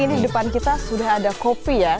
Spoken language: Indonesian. ini di depan kita sudah ada kopi ya